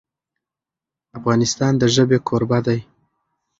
افغانستان د ژبې کوربه دی.